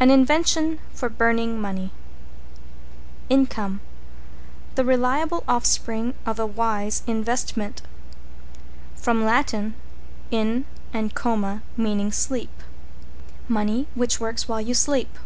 An invention for burning money. =INCOME= The reliable offspring of a wise investment. From Lat. in and coma, meaning sleep. Money which works while you sleep.